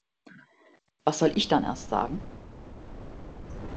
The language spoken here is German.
Was soll ich dann erst sagen?